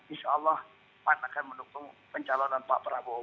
insya allah pan akan mendukung pencalonan pak prabowo